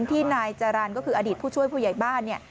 ที่นายจารนก็คืออดีตผู้ช่วยผู้ใหญ่บ้าน